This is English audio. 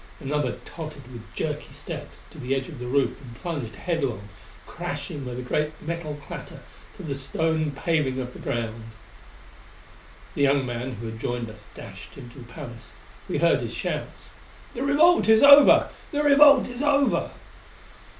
Another tottered with jerky steps to the edge of the roof and plunged headlong, crashing with a great metal clatter to the stone paving of the ground.... The young man who had joined us dashed into the palace. We heard his shouts: "The revolt is over! The revolt is over!"